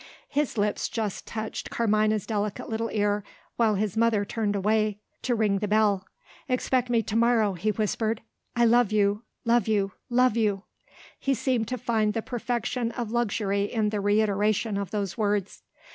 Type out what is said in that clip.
His lips just touched Carmina's delicate little ear, while his mother turned away to ring the bell. "Expect me to morrow," he whispered. "I love you! love you! love you!" He seemed to find the perfection of luxury in the reiteration of those words.